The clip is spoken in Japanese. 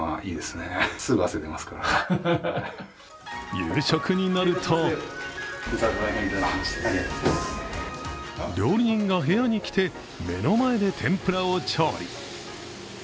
夕食になると料理人が部屋に来て目の前で天ぷらを調理。